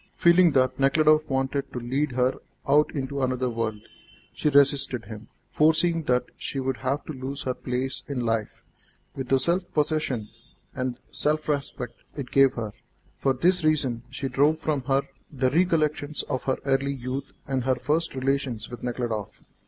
Feeling that Nekhludoff wanted to lead her out into another world, she resisted him, foreseeing that she would have to lose her place in life, with the self possession and self respect it gave her. For this reason she drove from her the recollections of her early youth and her first relations with Nekhludoff.